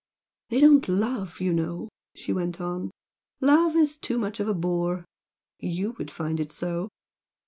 "They don't 'love' you know!" she went on "Love is too much of a bore. YOU would find it so!"